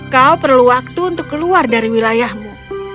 kau perlu waktu untuk keluar dari wilayahmu